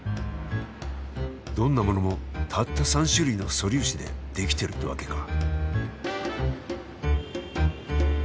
どんなものもたった３種類の素粒子で出来てるってわけか。